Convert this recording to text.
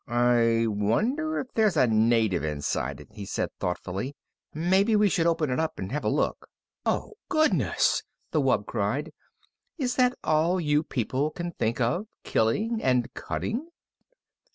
"I wonder if there's a native inside it," he said thoughtfully. "Maybe we should open it up and have a look." "Oh, goodness!" the wub cried. "Is that all you people can think of, killing and cutting?"